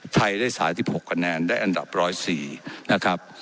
ไทยได้สาดที่หกคะแนนได้อันดับร้อยสี่นะครับ